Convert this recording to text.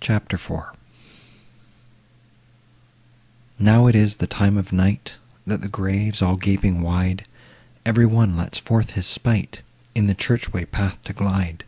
CHAPTER IV Now it is the time of night, That, the graves all gaping wide, Every one lets forth his sprite, In the church way path to glide.